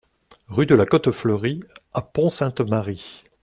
Rue de la Cote Fleurie à Pont-Sainte-Marie